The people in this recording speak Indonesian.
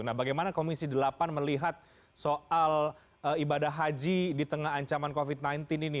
nah bagaimana komisi delapan melihat soal ibadah haji di tengah ancaman covid sembilan belas ini